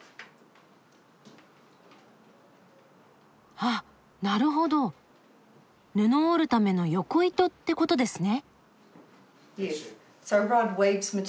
あっなるほど布を織るための横糸ってことですね。